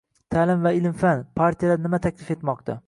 Ta’lim va ilm-fan: partiyalar nima taklif etmoqda?